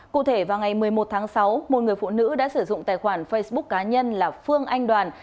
cụ thể vào ngày một mươi một tháng sáu một người phụ nữ đã sử dụng tài khoản facebook cá nhân là phương anh đoàn